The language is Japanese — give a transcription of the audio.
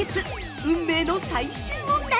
運命の最終問題。